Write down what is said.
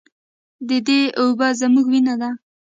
د دې اوبه زموږ وینه ده